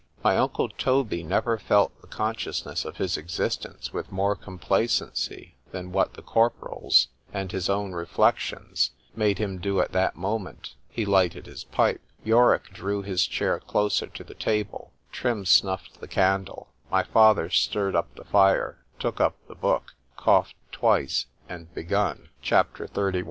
My uncle Toby never felt the consciousness of his existence with more complacency than what the corporal's, and his own reflections, made him do at that moment;——he lighted his pipe,——Yorick drew his chair closer to the table,—Trim snuff'd the candle,—my father stirr'd up the fire,—took up the book,—cough'd twice, and begun. C H A P.